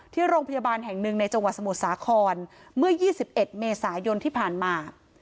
ที่โรงพยาบาลแห่งหนึ่งในจังหวัดสมุทรสาครเมื่อ๒๑เมษายนที่ผ่านมา